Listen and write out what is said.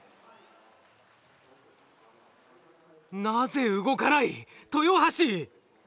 なぜ動かない豊橋！